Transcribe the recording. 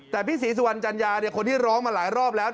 แต่พี่ศรีสุวรรณจัญญาคนที่ร้องมาหลายรอบแล้ว